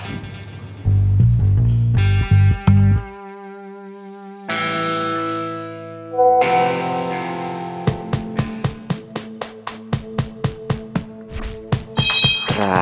ayo besok kita berangkat